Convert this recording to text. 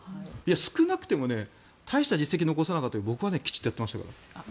少なくとも大した実績を残せなかったけど僕はきちんとやってましたから。